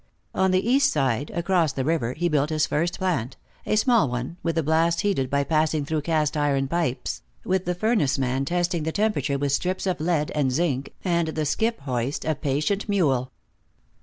On the east side, across the river, he built his first plant, a small one, with the blast heated by passing through cast iron pipes, with the furnaceman testing the temperature with strips of lead and zinc, and the skip hoist a patient mule.